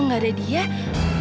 kalau gak jadi itu